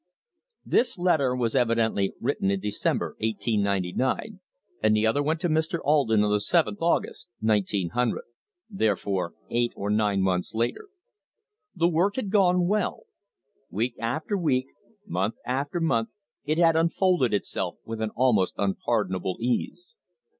This letter was evidently written in December, 1899, and the other went to Mr. Alden on the 7th August, 1900; therefore, eight or nine months later. The work had gone well. Week after week, month after month it had unfolded itself with an almost unpardonable ease.